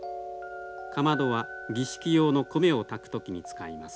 かまどは儀式用の米を炊く時に使います。